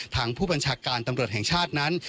ทางผู้บัญชาการตำรวจแห่งชาตินั้น